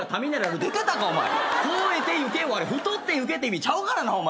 「超えてゆけ」は「太ってゆけ」って意味ちゃうからなお前。